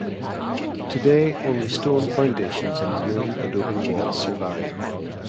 Today only stone foundations and ruined adobe walls survive.